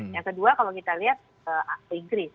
yang kedua kalau kita lihat inggris